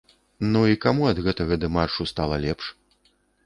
Ну і каму ад гэтага дэмаршу стала лепш?